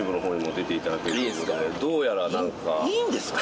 いいんですか？